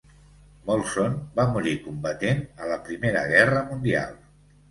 Molson va morir combatent a la Primera Guerra Mundial.